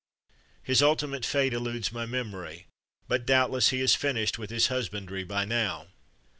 His ulti mate fate eludes my memory, but doubtless he has finished with his husbandry by now.